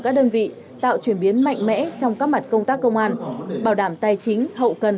các đơn vị tạo chuyển biến mạnh mẽ trong các mặt công tác công an bảo đảm tài chính hậu cần